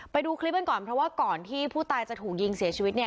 ไปดูคลิปกันก่อนเพราะว่าก่อนที่ผู้ตายจะถูกยิงเสียชีวิตเนี่ย